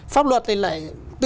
pháp luật thì lại